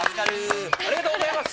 ありがとうございます。